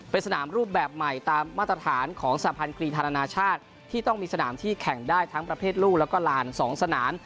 เป็นสนามรูปแบบใหม่ตามมาตรฐานของสาพันธ์กรีธานาชาติที่ต้องมีสนามที่แข่งได้ทั้งประเภทลูกแล้วก็ลาน๒สนาม